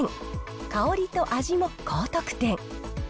香りと味も高得点。